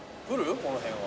この辺は。